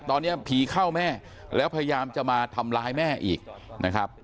ตอนนี้ผีเข้าแม่แล้วพยายามจะมาทำร้ายแม่อีกนะครับ